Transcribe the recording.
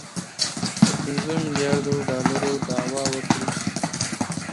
تر پنځو میلیاردو ډالرو دعوه وکړي